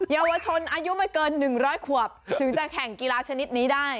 เยาวชนอายุไม่เกิน๑๐๐ขวบถึงจะแข่งกีฬาชนิดนี้ได้